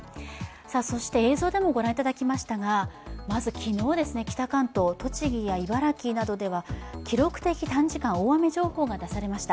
そして映像でもご覧いただきましたが、まず昨日、北関東、栃木や茨城などでは記録的短時間大雨情報が出されました。